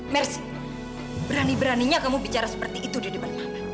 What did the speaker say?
mersi berani beraninya kamu bicara seperti itu di depannya